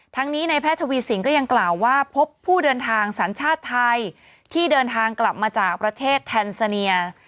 ทั้งนี้ในแพทย์ทวีสินก็ยังกล่าวว่าพบผู้เดินทางสัญชาติไทยที่เดินทางกลับมาจากประเทศแทนซาเนีย